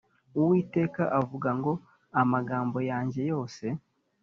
Uwiteka avuga ngo Amagambo yanjye yose